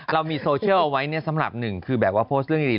เรามีโซเชียลเอาไว้เนี่ยสำหรับหนึ่งคือแบบว่าโพสต์เรื่องดี